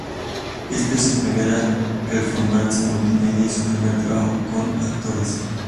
Esta es su primera performance multimedia, y su primer trabajo con actores.